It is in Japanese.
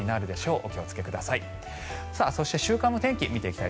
お気をつけください。